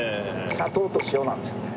砂糖と塩なんですよね。